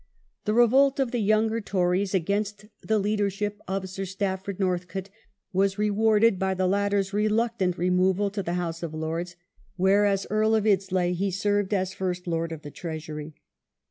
The revolt of the younger Tories against the leadership of Sir Stafford Northcote was rewarded by the latter 's reluctant removal to the House of Lords, where, as Earl of Iddesleigh, he served as First Lord of the Treasury.